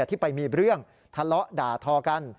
ที่ไปมีเรื่องทะเลาะด่าทอกัน